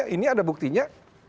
ini ada buktinya